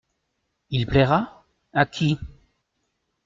Il plaira ?… à qui ?…